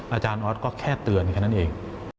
อาจารย์ออสก็แค่เตือนแค่นั้นเอง